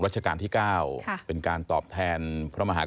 รัชกาลที่เก้าค่ะเป็นการตอบแทนพระมหากฆ์